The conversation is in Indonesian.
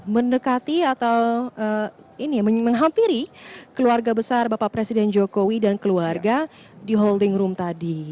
mendekati atau menghampiri keluarga besar bapak presiden jokowi dan keluarga di holding room tadi